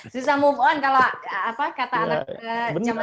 susah move on kalau apa kata anak zaman sekarang ya